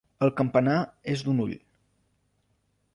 El campanar és d'un ull.